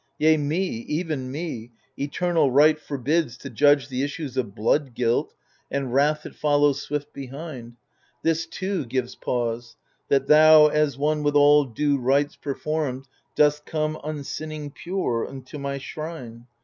Yea, me, even me, eternal Right forbids To judge the issues of blood guilt, and wrath That follows swift behind. This too gives pause, That thou as one with all due rites performed Dost come, unsinning, pure, unto my shrine.